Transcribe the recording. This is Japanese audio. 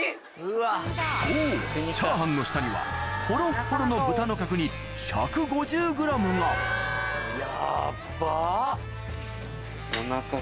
そうチャーハンの下にはほろっほろの豚の角煮１５０ｇがヤッバ！